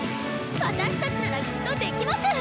私たちならきっとできます！